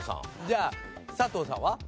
じゃあ佐藤さんは？